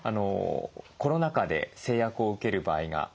コロナ禍で制約を受ける場合が多いですね。